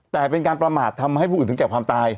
แต่เป็นการประมาททำให้ผู้อื่นถึงแก่ความตาย